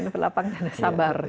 berlapang dada sabar